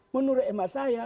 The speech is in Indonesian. menurut emat saya